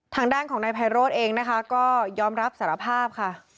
ทางด้านของนายไพโรธเองนะคะก็ยอมรับสารภาพค่ะ